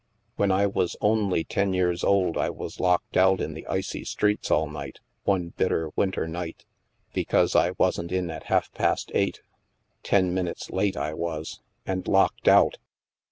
When I was only ten years old I was locked out in the icy streets all night, one bitter winter night, be cause I wasn't in at half past eight. Ten minutes late I was ! And locked out